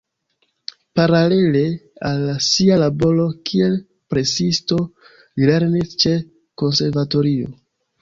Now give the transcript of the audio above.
Paralele al sia laboro kiel presisto li lernis ĉe konservatorio.